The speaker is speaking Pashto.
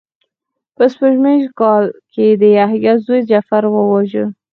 په سپوږمیز کال کې یې یحیی زوی جغفر وواژه.